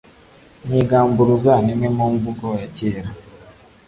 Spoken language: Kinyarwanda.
nyigamburuza nimwe mumvuga ya kera